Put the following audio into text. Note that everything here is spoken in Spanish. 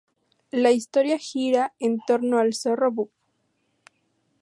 La historia gira en torno a el zorro "Vuk".